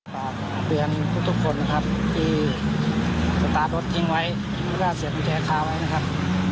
ที่ประมาทไปขอขอบคุณการณ์ที่ทุกท่านนะครับ